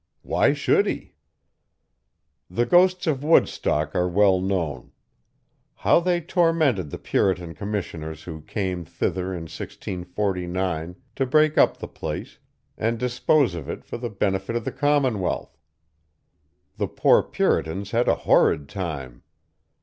Why should he? The ghosts of Woodstock are well known. How they tormented the Puritan Commissioners who came thither in 1649, to break up the place, and dispose of it for the benefit of the Commonwealth! The poor Puritans had a horrid time.